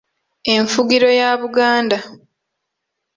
Enfugiro ya Buganda